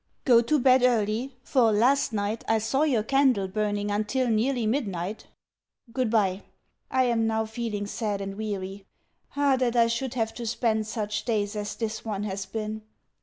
Go to bed early, for, last night, I saw your candle burning until nearly midnight. Goodbye! I am now feeling sad and weary. Ah that I should have to spend such days as this one has been.